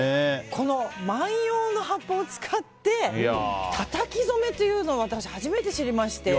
この万葉の葉っぱを使ってたたき染めというのを私、初めて知りまして。